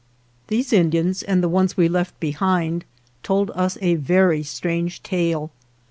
These Indians and the ones we left be hind told us a very strange tale.